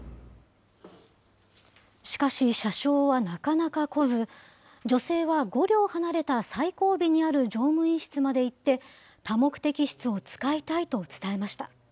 しかし、車掌はなかなか来ず、女性は５両離れた最後尾にある乗務員室まで行って、多目的室を使いたいと伝えました。